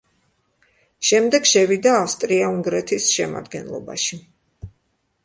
შემდეგ შევიდა ავსტრია-უნგრეთის შემადგენლობაში.